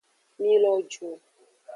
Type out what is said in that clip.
Mi lo ju.